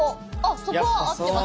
そこは合ってますね。